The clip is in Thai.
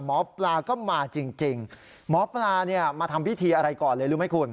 หมอปลาก็มาจริงหมอปลาเนี่ยมาทำพิธีอะไรก่อนเลยรู้ไหมคุณ